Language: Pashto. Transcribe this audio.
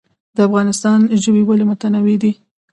د افغانستان ژوي ولې متنوع دي؟